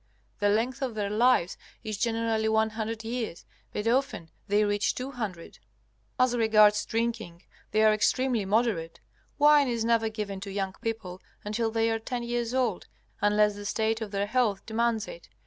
The length of their lives is generally 100 years, but often they reach 200. As regards drinking, they are extremely moderate. Wine is never given to young people until they are ten years old, unless the state of their health demands it.